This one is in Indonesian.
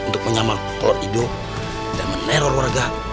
untuk menyamalkan kolor hijau dan meneror warga